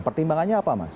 pertimbangannya apa mas